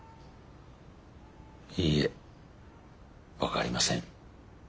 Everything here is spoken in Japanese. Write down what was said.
いいえ分かりません。